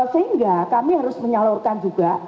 sehingga kami harus menyalurkan juga